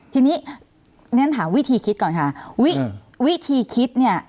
ทีนี้เรียนถามวิธีคิดก่อนค่ะวิธีคิดเนี่ย